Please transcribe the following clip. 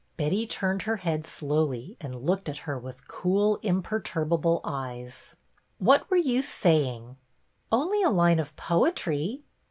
Betty turned her head slowly and looked at her with cool imperturbable eyes. " What were you saying "" Only a line of poetry."